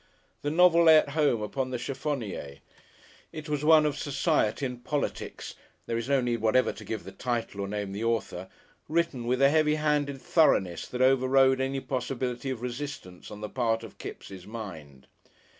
The novel lay at home upon the cheffonier; it was one of society and politics there is no need whatever to give the title or name the author written with a heavy handed thoroughness that overrode any possibility of resistance on the part of the Kipps mind.